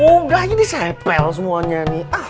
udah ini sepel semuanya nih